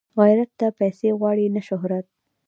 غیرت نه پیسې غواړي نه شهرت